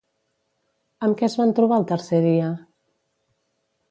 Amb què es van trobar el tercer dia?